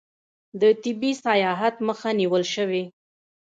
د طبي سیاحت مخه نیول شوې؟